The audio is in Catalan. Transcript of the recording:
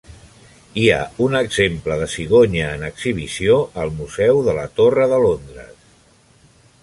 Hi ha un exemple de cigonya en exhibició al museu de la Torre de Londres.